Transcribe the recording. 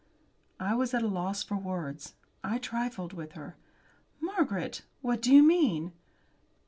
I was at a loss for words. I trifled with her. "Margaret! What do you mean?"